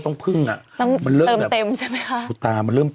ต้องเติมเต็มใช่ไหมคะ